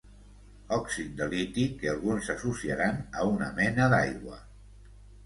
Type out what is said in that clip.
Òxid de liti que alguns associaran a una mena d'aigua.